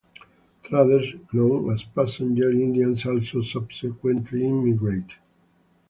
Traders, known as Passenger Indians also subsequently immigrated.